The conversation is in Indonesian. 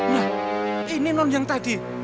nah ini non yang tadi